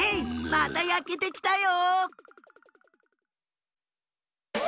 またやけてきたよ！